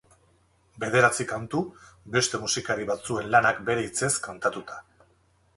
Bederatzi kantu, beste musikari batzuen lanak bere hitzez kantatuta.